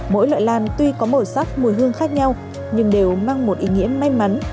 mỗi loại lan tuy có màu sắc mùi hương khác nhau nhưng đều mang một ý nghĩa may mắn